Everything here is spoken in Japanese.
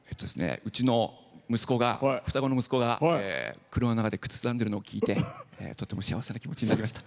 うちの双子の息子が車の中で口ずさんでるのを聴いてとっても幸せな気持ちになりました。